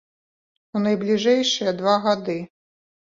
У найбліжэйшыя два гады!